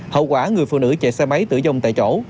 hậu quả người phụ nữ chạy xe máy tử vong tại chỗ